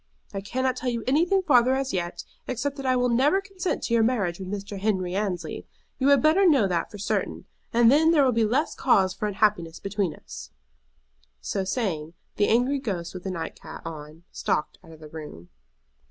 I cannot tell you anything farther as yet, except that I will never consent to your marriage with Mr. Henry Annesley. You had better know that for certain, and then there will be less cause for unhappiness between us." So saying, the angry ghost with the night cap on stalked out of the room.